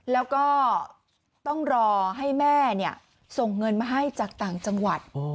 แล้วก็ต้องรอให้แม่ส่งเงินมาให้จากต่างจังหวัด